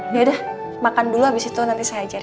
ya udah makan dulu abis itu nanti saya ajarin